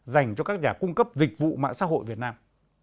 dành cho các nhà cung cấp dịch vụ mạng xã hội việt nam